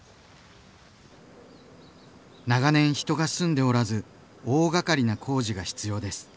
長年人が住んでおらず大がかりな工事が必要です。